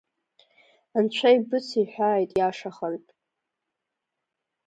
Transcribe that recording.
Анцәа ибыциҳәааит иашахартә!